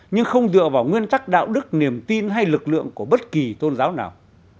nhưng không dựa vào nguyên tắc đạo đức niềm tin hay lực lượng của bất kỳ tôn giáo nào